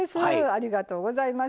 ありがとうございます。